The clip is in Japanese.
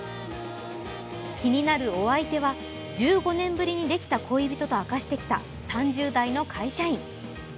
気になるお相手は、１５年ぶりにできた恋人と明かしてきた３０代の会社員。